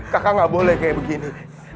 kakak gak boleh kayak begini